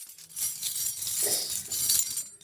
তোমাকে বলেছি তো, আমার নাম কোডা।